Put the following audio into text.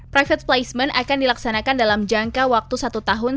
private placement akan dilaksanakan dalam jangka waktu satu tahun